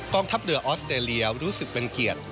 ทัพเรือออสเตรเลียรู้สึกเป็นเกียรติ